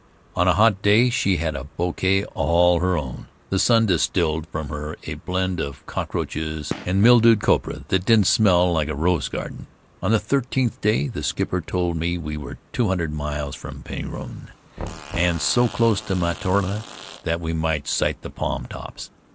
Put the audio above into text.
On a hot day she had a bouquet all her own — the sun distilled from her a blend of cockroaches and mildewed copra that didn't smell like a rose garden. On the thirtieth day the skipper told me we were two hundred miles from Penrhyn and so close to Mataora that we might sight the palm tops.